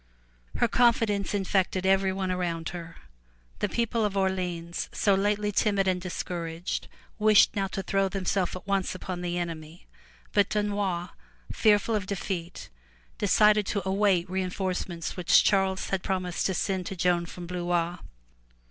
'' Her confidence infected everyone around her. The people of Orleans so lately timid and discouraged, wished now to throw themselves at once upon the enemy. But Dunois, fearful of defeat, decided to await reinforcements which Charles had prom ised to send to Joan from Blois.